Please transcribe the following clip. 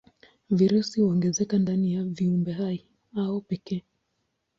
Virusi huongezeka ndani ya viumbehai hao pekee.